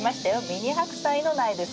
ミニハクサイの苗です。